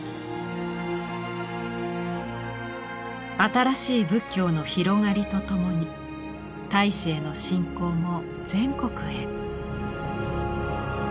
新しい仏教の広がりとともに太子への信仰も全国へ。